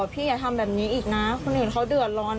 พี่อย่าทำแบบนี้อีกนะคนอื่นเขาเดือดร้อน